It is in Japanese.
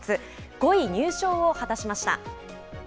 ５位入賞を果たしました。